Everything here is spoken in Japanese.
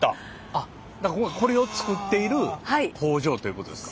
あっこれを作っている工場ということですか？